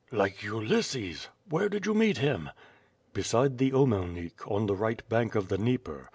"Like Ulysses? Where did you meet him?'' "Beside the Omelnik, on the right bank of the Dnieper.